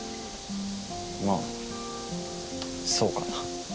まあそうかな。